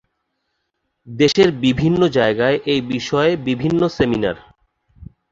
দেশের বিভিন্ন জায়গায় এ বিষয়ে বিভিন্ন সেমিনার